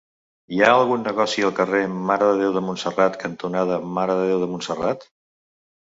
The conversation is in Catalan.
Hi ha algun negoci al carrer Mare de Déu de Montserrat cantonada Mare de Déu de Montserrat?